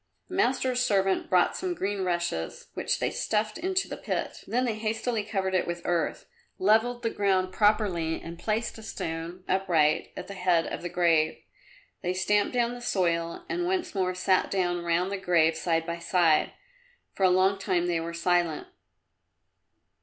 The master's servant brought some green rushes which they stuffed into the pit, then they hastily covered it with earth, levelled the ground properly and placed a stone, upright, at the head of the grave. They stamped down the soil and once more sat down round the grave side by side. For a long time they were silent.